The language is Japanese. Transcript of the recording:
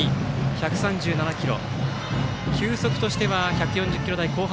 １３７キロ。